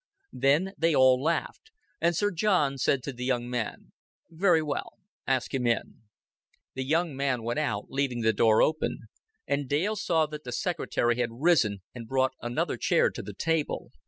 Then they all laughed; and Sir John said to the young man, "Very well. Ask him in." The young man went out, leaving the door open; and Dale saw that the secretary had risen and brought another chair to the table.